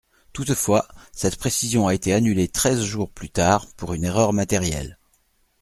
Toutefois, cette précision a été annulée treize jours plus tard, pour une erreur matérielle.